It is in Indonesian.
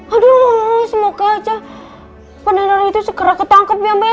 aduh semoga aja peneluruh itu segera ketangkep ya mbak ya